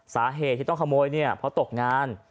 สาเหตุที่ต้องขโมยเนี่ยเพราะตกงาน